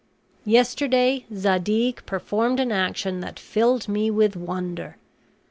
Yesterday Zadig performed an action that filled me with wonder.